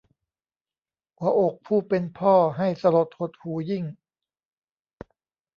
หัวอกผู้เป็นพ่อให้สลดหดหู่ยิ่ง